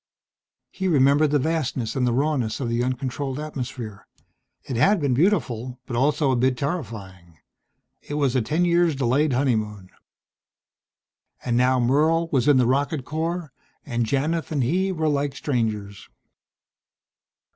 He remembered the vastness and the rawness of the uncontrolled atmosphere. It had been beautiful but also a bit terrifying. It was a ten years delayed honeymoon.... And now Merle was in the rocket corps and Janith and he were like strangers.